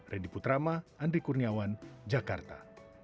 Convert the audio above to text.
radi putrama andri kurniawan jakarta